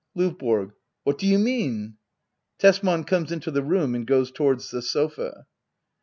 L&VBORO. What do you mean ? [Tesman comes into the room and goes towards the sofa.